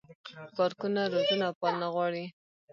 پارکونه روزنه او پالنه غواړي.